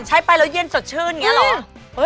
ใช้ไปแล้วเย็นสดชื่นอย่างนี้หรอ